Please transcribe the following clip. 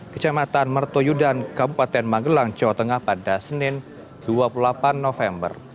kecamatan mertoyudan kabupaten magelang jawa tengah pada senin dua puluh delapan november